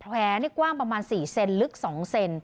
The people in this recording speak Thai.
กว้างประมาณ๔เซนลึก๒เซน